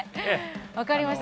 分かりました。